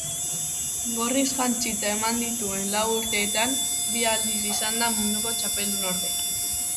Gorriz jantzita eman dituen lau urteetan bi aldiz izan da munduko txapeldunorde.